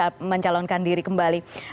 akhirnya bisa mencalonkan diri kembali